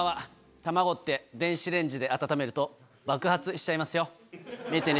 卵って電子レジで温めると、爆発しちゃいますよ。